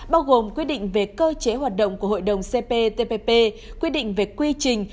bao gồm quy định về cơ chế hoạt động của hội đồng cptpp quyết định về quy trình